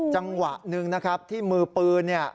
จังหวะนึงที่มือปืน